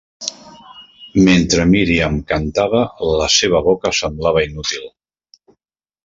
Mentre Miriam cantava, la seva boca semblava inútil.